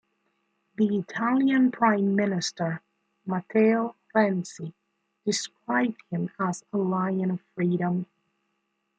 The Italian Prime Minister Matteo Renzi described him as a "lion of freedom".